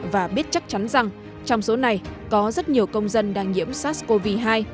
và biết chắc chắn rằng trong số này có rất nhiều công dân đang nhiễm sars cov hai